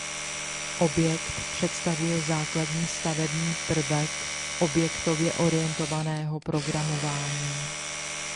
Objekt představuje základní stavební prvek objektově orientovaného programování.